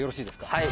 はい。